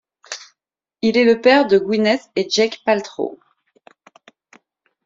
Il est le père de Gwyneth et Jake Paltrow.